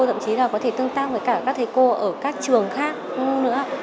thậm chí là có thể tương tác với cả các thầy cô ở các trường khác nữa